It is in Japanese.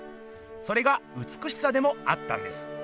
それがうつくしさでもあったんです。